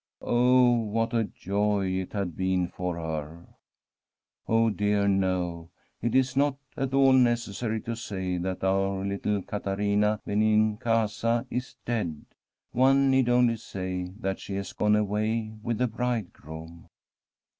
Oh, what a joy it had been for her I Oh dear, no ; it is not at all necessary to say that our little Caterina Benincasa is dead. One need only say that she has gone away with the Bride groom.